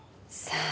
さあ。